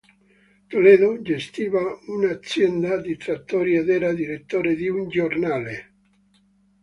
Toledo gestiva un'azienda di trattori ed era direttore di un giornale.